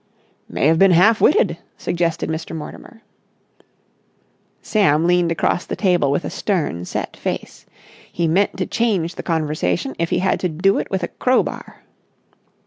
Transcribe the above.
"May have been half witted," suggested Mr. Mortimer. Sam leaned across the table with a stern set face. He meant to change the conversation if he had to do it with a crowbar.